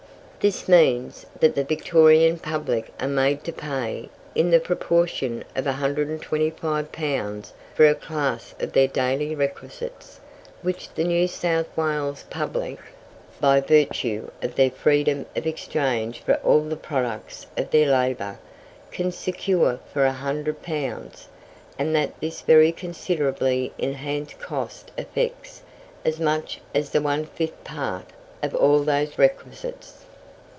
This means that the Victorian public are made to pay in the proportion of 125 pounds for a class of their daily requisites which the New South Wales public, by virtue of their freedom of exchange for all the products of their labour, can secure for 100 pounds; and that this very considerably enhanced cost affects as much as the one fifth part of all those requisites.